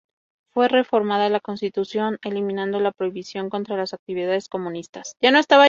Fue reformada la Constitución eliminando la prohibición contra las actividades comunistas.